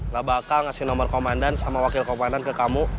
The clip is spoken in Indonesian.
nah bakal ngasih nomor komandan sama wakil komandan ke kamu